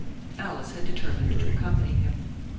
Alice had determined to accompany him.